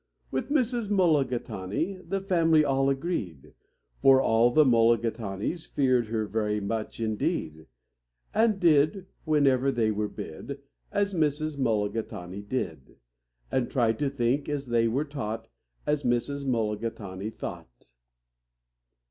With Mrs. Mulligatawny the family all agreed, For all the Mulligatawnys feared her very much indeed, And did, whenever they were bid, As Mrs. Mulligatawny did, And tried to think, as they were taught, As Mrs. Mulligatawny thought.